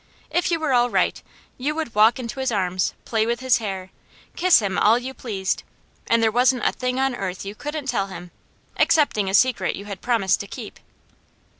If you were all right, you would walk into his arms, play with his hair, kiss him all you pleased, and there wasn't a thing on earth you couldn't tell him, excepting a secret you had promised to keep.